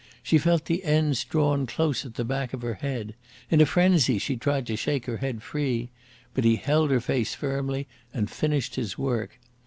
She felt the ends drawn close at the back of her head. In a frenzy she tried to shake her head free. But he held her face firmly and finished his work.